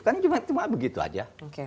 kan cuma begitu aja